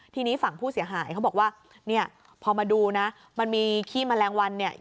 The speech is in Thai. ทีนี้ฝั่งผู้เสียหายเขาบอกว่าเนี่ยพอมาดูนะมันมีขี้แมลงวันเนี่ย